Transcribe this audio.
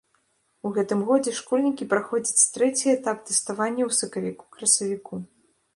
У гэтым годзе школьнікі праходзяць трэці этап тэставання ў сакавіку-красавіку.